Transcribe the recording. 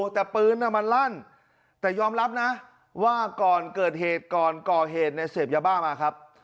แต่ปืนมันลั่นแต่ยอมรับนะว่าก่อนเกิดเหตุก่อนก่อเหตุเนี่ยเสพยาบ้ามาครับ